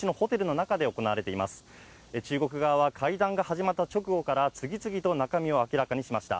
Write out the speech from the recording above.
中国側は会談が始まった直後から、次々と中身を明らかにしました。